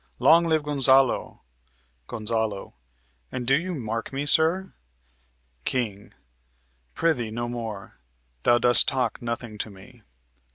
Long live Gonzalo! Gon. And do you mark me, sir? King. Pr'ythee, no more; thou dost talk nothing to me.